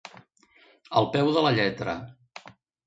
Al peu de la lletra.